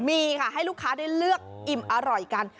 มีค่ะให้ลูกค้าได้เลือกอิ่มอร่อยกัน